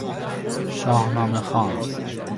شاهنامه خوان